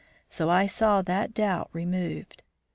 So I saw that doubt removed.